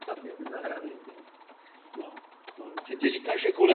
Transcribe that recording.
Jenže policie nečekaně začala střílet a skončilo to zatčením gangu.